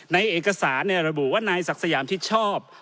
ในเอกสารระบุว่านายศักดิ์สยามที่ชอบ